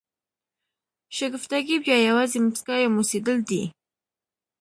شګفتګي بیا یوازې مسکا یا موسېدل دي.